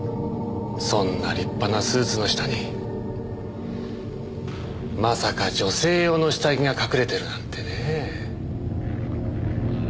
そんな立派なスーツの下にまさか女性用の下着が隠れてるなんてねえ。